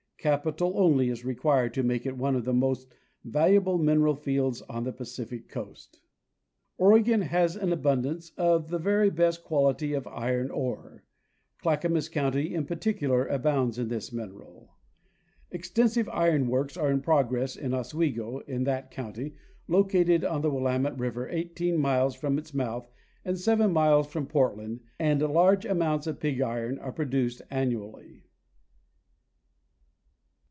Capital only is required to make it one of the most valuable mineral fields on the Pacific coast. Oregon has an abundance of the very best quality of iron ore. Clackamas county in particular abounds in this mineral. Ex Natural Wealth of the State 279 tensive iron works are in progress at Oswego, in that county, located on the Willamette river 18 miles from its mouth and 7 miles from Portland, and large amounts of pig iron are produced annually.